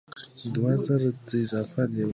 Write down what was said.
کار د پرمختګ نوې لارې پرانیزي